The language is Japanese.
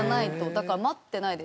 だから待ってないで。